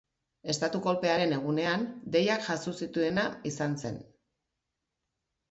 Estatu-kolpearen egunean, deiak jaso zituena izan zen.